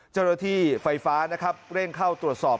กระทิไฟฟ้าเร่งเข้าตรวจสอบ